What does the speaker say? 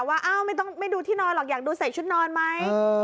ว่าอ้าวไม่ต้องไม่ดูที่นอนหรอกอยากดูใส่ชุดนอนไหม